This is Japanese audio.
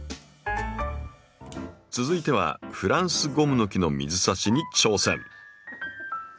続いてはフランスゴムノキの水挿しに挑戦。